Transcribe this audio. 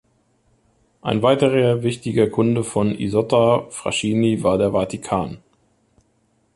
Ein weiterer wichtiger Kunde von Isotta Fraschini war der Vatikan.